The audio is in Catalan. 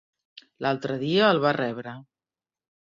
L'altre dia el va rebre.